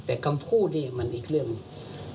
แต่คำพูดนี่มันอีกเรื่องหนึ่ง